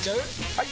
・はい！